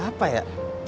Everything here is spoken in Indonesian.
sama siapa ya